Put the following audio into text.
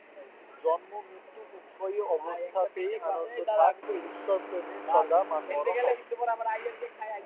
জন্ম-মৃত্যু উভয় অবস্থাতেই আনন্দে থাক, ঈশ্বরপ্রেমে সদা মাতোয়ারা হও।